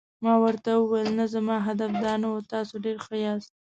ما ورته وویل: نه، زما هدف دا نه و، تاسي ډېر ښه یاست.